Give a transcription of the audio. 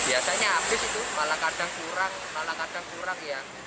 biasanya habis itu malah kadang kurang malah kadang kurang ya